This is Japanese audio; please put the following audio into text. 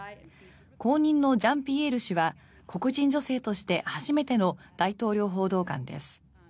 後任のジャンピエール氏は黒人女性として初めての大統領報道官です。